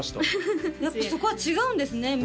やっぱそこは違うんですね